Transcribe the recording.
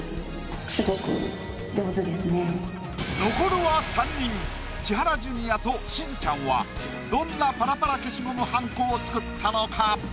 残るは３人千原ジュニアとしずちゃんはどんなパラパラ消しゴムはんこを作ったのか？